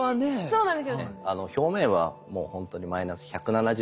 そうなんですよ。